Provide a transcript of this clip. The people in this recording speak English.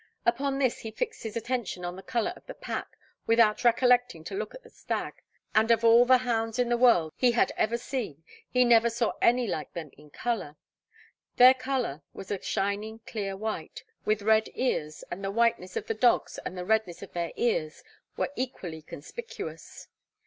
Upon this he fixed his attention on the colour of the pack, without recollecting to look at the stag: and of all the hounds in the world he had ever seen he never saw any like them in colour. Their colour was a shining clear white, with red ears; and the whiteness of the dogs and the redness of their ears were equally conspicuous.'